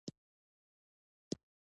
هندوکش د چاپېریال د تغیر نښه ده.